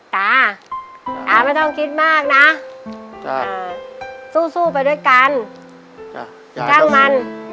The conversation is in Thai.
ตาตาไม่ต้องคิดมากนะสู้ไปด้วยกันจะจ้างมัน